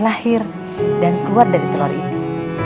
lahir dan keluar dari telur ini